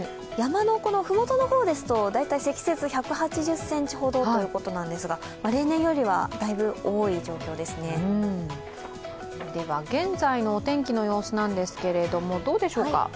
山のふもとの方ですと積雪１８０ｃｍほどということなんですが、例年よりは、だいぶ多い状況ですねでは現在のお天気の様子なんですけれどもどうでしょうか？